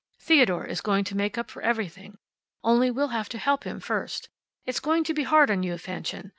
Theodore is going to make up for everything. Only we'll have to help him, first. It's going to be hard on you, Fanchen.